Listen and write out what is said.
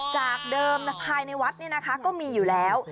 จากเดิมภายในวัดก็มีอยู่แล้ว